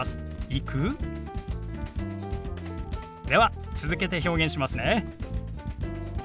では続けて表現しますね。